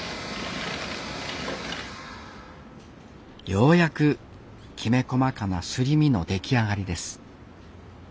ようやくきめ細かなすり身の出来上がりです